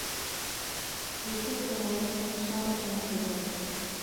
Les Tourterelles consomment leurs graines.